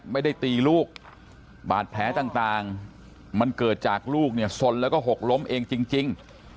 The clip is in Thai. ไม่ได้ตีลูกบาดแผลต่างมันเกิดจากลูกเนี่ยสนแล้วก็หกล้มเองจริง